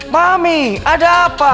mami ada apa